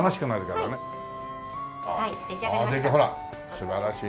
素晴らしい。